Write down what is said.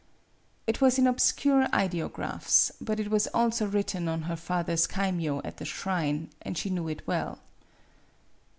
It was in obscure ideographs ; but it was f also written on her father's kaimyo at the shrine, and she knew it well.